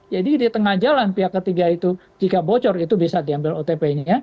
di tengah jalan pihak ketiga itu jika bocor itu bisa diambil otp nya